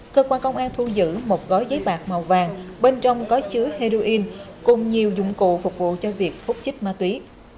cơ quan công an thu giữ một gói giấy bạc màu vàng bên trong có chứa heroin cùng nhiều dụng cụ phục vụ cho việc phúc chích ma túy